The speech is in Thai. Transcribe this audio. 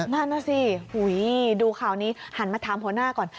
นั่นน่ะสิดูข่าวนี้หันมาถามหัวหน้าก่อน